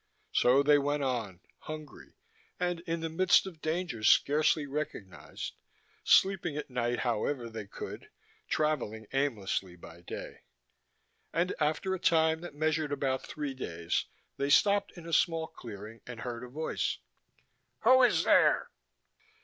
So they went on, hungry and in the midst of dangers scarcely recognized, sleeping at night however they could, travelling aimlessly by day. And after a time that measured about three days they stopped in a small clearing and heard a voice. "Who is there?"